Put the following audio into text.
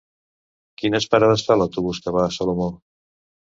Quines parades fa l'autobús que va a Salomó?